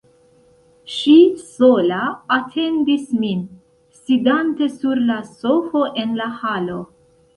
Ŝi sola atendis min, sidante sur la sofo en la halo.